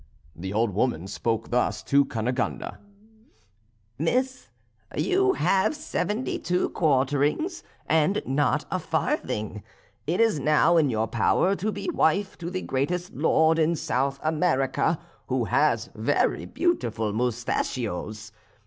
The old woman spoke thus to Cunegonde: "Miss, you have seventy two quarterings, and not a farthing; it is now in your power to be wife to the greatest lord in South America, who has very beautiful moustachios.